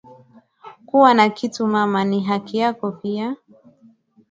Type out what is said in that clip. Kuwa na kitu mama ni haki yako pia